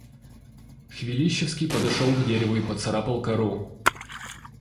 Хвилищевский подошёл к дереву и поцарапал кору.